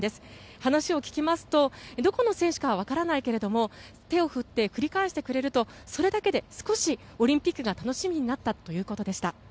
話を聞きますと、どこの選手かはわからないけれども手を振って振り返してくれるとそれだけで少しオリンピックが楽しみになったということでした。